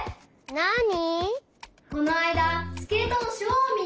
なに？